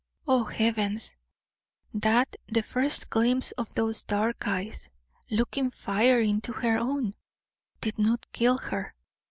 Oh, heavens! that the first glimpse of those dark eyes, looking fire into her own, did not kill her.